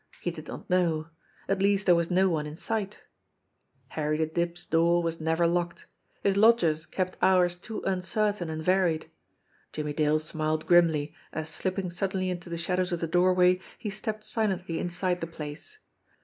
He did not know. At least there was no one in sight. Harry the Dip's door was never locked ! His lodgers kept hours too uncertain and varied ! Jimmie Dale smiled grimly, as slipping suddenly into the shadows of the doorway, he stepped silently inside the place.